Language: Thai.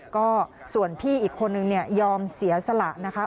ก็ส่วนพี่อีกคนนึงเนี่ยยอมเสียสละนะคะ